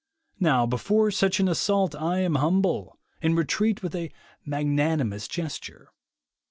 *' Now before such an assault I am humble, and retreat with a magnanimous gesture.